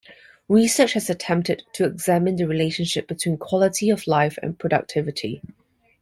Research has attempted to examine the relationship between quality of life and productivity.